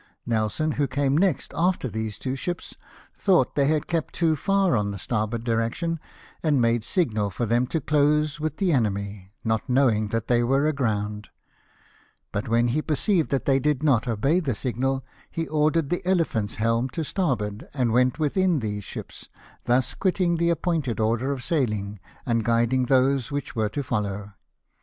Nelson, who came next after these two ships, thought they had kept too far on the starboard direction, and made signal for them to close with the enemy, not knowing that they were aground ; but, when he perceived that they did not obey the signal, he ordered the Elep] ami's helm to starboard, and went within these ships, thus quitting the appointed order of sailing, and guiding those which were to follow.